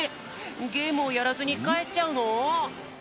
ゲームをやらずにかえっちゃうの？